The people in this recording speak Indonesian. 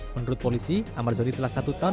menurut polisi amar zoni telah satu tahun